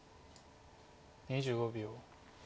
２５秒。